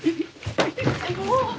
もう。